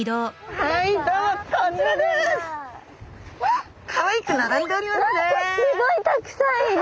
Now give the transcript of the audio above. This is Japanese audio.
何かすごいたくさんいる！